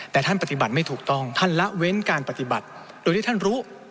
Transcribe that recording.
แต่ท่านปฏิบัติไม่ถูกต้องท่านละเว้นการปฏิบัติโดยที่ท่านรู้